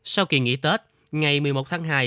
sau kỳ nghỉ tết ngày một mươi một tháng hai